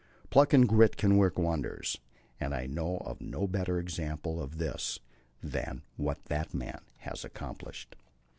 Pluck and grit can work wonders, and I know of no better example of this than what that man has accomplished.